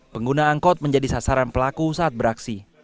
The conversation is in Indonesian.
pengguna angkot menjadi sasaran pelaku saat beraksi